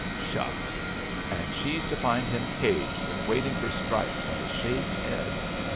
"Shucks! And she's to find him caged, and waiting for stripes and a shaved head?